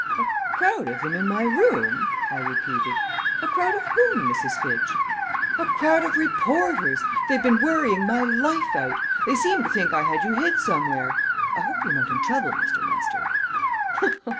"A crowd of them in my room!" I repeated. "A crowd of whom, Mrs. Fitch?" "A crowd of reporters! They've been worrying my life out. They seemed to think I had you hid somewhere. I hope you're not in trouble, Mr. Lester?"